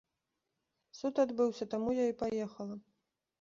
Суд адбыўся, таму я і паехала.